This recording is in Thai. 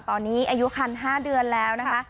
ตอนนี้อายุคัน๕เดือนแล้วนะคะ